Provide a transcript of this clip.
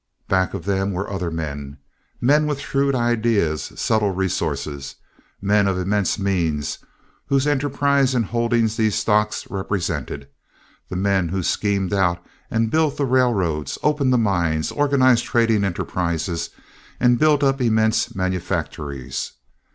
Back of them were other men, men with shrewd ideas, subtle resources. Men of immense means whose enterprise and holdings these stocks represented, the men who schemed out and built the railroads, opened the mines, organized trading enterprises, and built up immense manufactories.